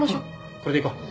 これでいこう。